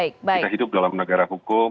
kita hidup dalam negara hukum